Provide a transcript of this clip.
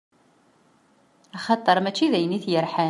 Axaṭer mačči dayen i t-yerḥan.